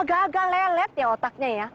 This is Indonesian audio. agak agak lelet ya otaknya ya